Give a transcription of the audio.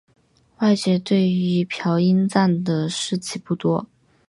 外界对于朴英赞的事迹不多。